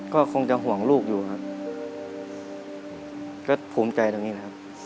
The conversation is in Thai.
ก็คงจะห่วงลูกอยู่ครับก็ภูมิใจตรงนี้นะครับ